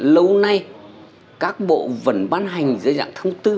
lâu nay các bộ vẫn bán hành dưới dạng thống tư